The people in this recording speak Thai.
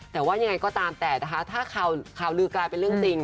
แต่ว่ายังไงก็ตามแต่นะคะถ้าข่าวลือกลายเป็นเรื่องจริง